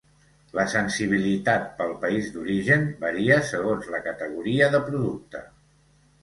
La sensibilitat pel país d'origen varia segons la categoria de producte.